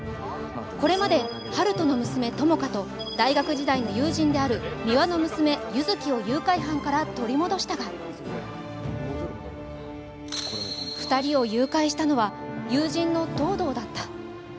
これまで温人の娘、友果と大学時代の友人である三輪の娘・優月を誘拐犯から取り戻したが２人を誘拐したのは友人の東堂だった。